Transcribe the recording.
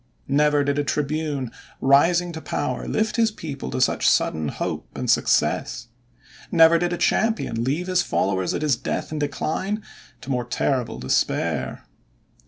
Never did a tribune rising to power lift his people to such sudden hope and success. Never did a champion leave his followers at his death and decline to more terrible despair.